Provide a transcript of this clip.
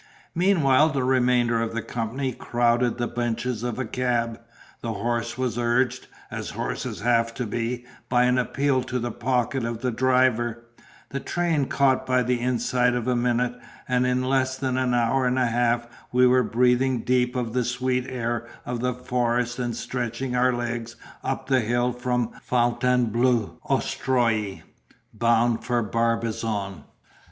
Meanwhile the remainder of the company crowded the benches of a cab; the horse was urged (as horses have to be) by an appeal to the pocket of the driver; the train caught by the inside of a minute; and in less than an hour and a half we were breathing deep of the sweet air of the forest and stretching our legs up the hill from Fontainebleau octroi, bound for Barbizon.